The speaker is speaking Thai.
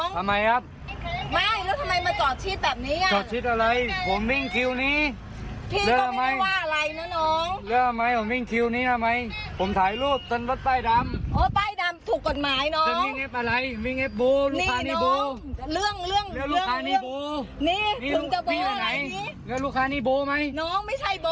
อ๋อใกล้ดำถูกกฎหมายน้อง